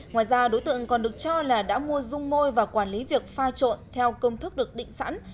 ngoài ra đối tượng còn được cho là đã mua dung môi và quản lý việc pha trộn theo công thức được định sẵn